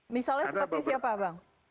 misalnya seperti siapa bang